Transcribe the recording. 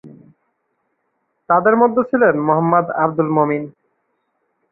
তাদের মধ্যে ছিলেন মোহাম্মদ আবদুল মমিন।